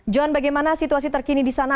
johan bagaimana situasi terkini di sana